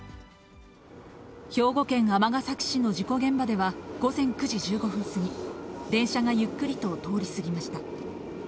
兵庫県尼崎市の事故現場では、午前９時１５分過ぎ、電車がゆっくりと通り過ぎました。